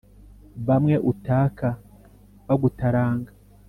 bamwe utaaka bagutaranga